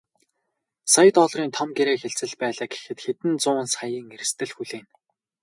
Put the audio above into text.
Сая долларын том гэрээ хэлцэл байлаа гэхэд хэдэн зуун саяын эрсдэл хүлээнэ.